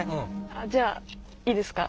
あっじゃあいいですか？